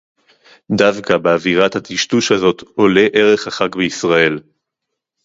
דַּוְוקָא בַּאֲוִוירַת הַטִּשְׁטוּשׁ הַזֹּאת עוֹלֵה עֵרֶךְ הַחַג בְּיִשְׂרָאֵל